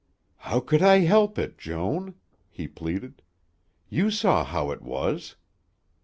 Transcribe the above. "How could I help it, Joan?" he pleaded. "You saw how it was?"